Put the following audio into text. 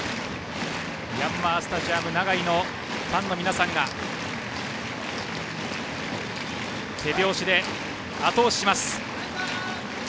ヤンマースタジアム長居のファンの皆さんが手拍子で、あと押しします。